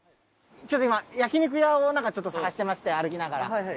ちょっと今焼肉屋をなんか探してまして歩きながら。